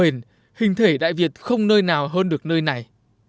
các bền hình thể đại việt không nơi nào hơn được nơi này